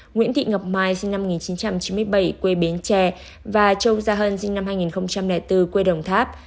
nguyễn thị ngọc mai sinh năm một nghìn chín trăm chín mươi bảy quê bến tre và châu gia hân sinh năm hai nghìn bốn quê đồng tháp